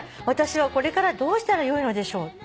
「私はこれからどうしたらよいのでしょう？」